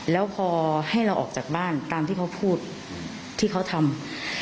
แล้วพอให้เราออกจากบ้านตามที่เขาพูดที่เขาทำ